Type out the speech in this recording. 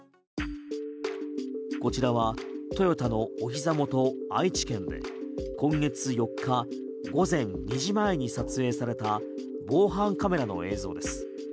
こちらはトヨタのおひざ元、愛知県で今月４日午前２時前に撮影された防犯カメラの映像です。